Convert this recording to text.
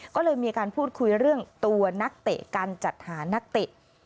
ก็เลยมีการพูดคุยเรื่องตัวนักเตะการจัดหานักเตะ